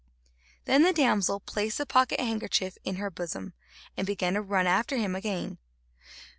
Then the damsel placed the pocket handkerchief in her bosom, and ran after him again.